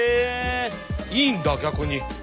いいんだ逆に。